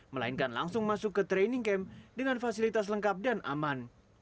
melainkan langsung masuk ke training camp dengan fasilitas lengkap dan aman